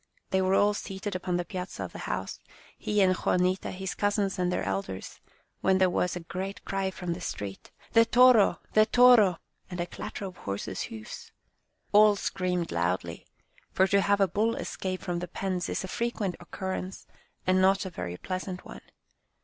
They were all seated upon the piazza of the house, he and Juanita, his cousins and their elders, when there was a great cry from the street, " The toro ! The toro !" and a clatter of horses' hoofs. All screamed loudly, for to have a bull escape from the pens is a frequent occurrence, and not a very pleasant one.